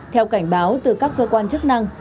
theo cảnh báo từ các cơ quan chức năng